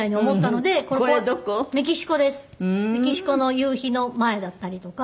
メキシコの夕日の前だったりとか。